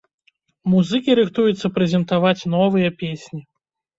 Музыкі рыхтуюцца прэзентаваць новыя песні.